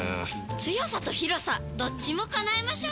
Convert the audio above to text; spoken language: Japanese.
強さと広さどっちも叶えましょうよ！